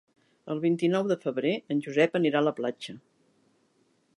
El vint-i-nou de febrer en Josep anirà a la platja.